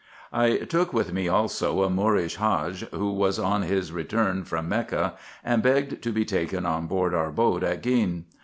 I took with me, also, a Moorish Hadge, who was on his return from Mecca, and begged to be taken on board our boat at Gene.